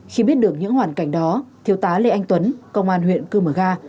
khi biết được những hoàn cảnh đó thiếu tá lê anh tuấn công an huyện cư mờ ga